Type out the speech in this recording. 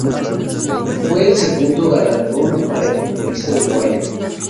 Fue el segundo galardón para el futbolista uruguayo.